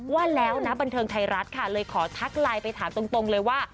ว่าแล้วนะบันเทิงไทยรัฐค่ะเลยขอทักไลน์ไปถามตรงเลยว่า